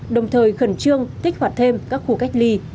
đồng thời khẩn trương kích hoạt thêm các khu cách ly